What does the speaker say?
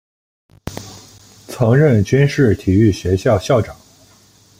曾任军事体育学校校长。